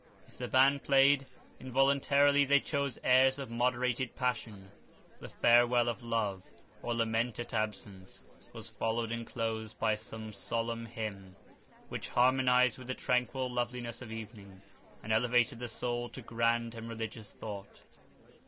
If the band played, involuntarily they chose airs of moderated passion; the farewell of love, or lament at absence, was followed and closed by some solemn hymn, which harmonized with the tranquil loveliness of evening, and elevated the soul to grand and religious thought.